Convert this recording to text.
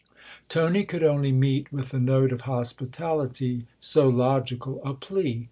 Tony could only meet with the note of hospitality so logical a plea.